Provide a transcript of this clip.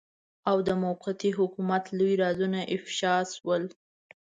او د موقتي حکومت لوی رازونه افشاء شول.